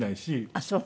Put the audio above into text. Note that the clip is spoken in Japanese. あっそう。